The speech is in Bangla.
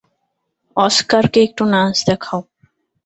অস্কারকে একটু নাচ দেখাও।